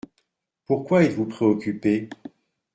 Pourquoi êtes-vous préoccupé ?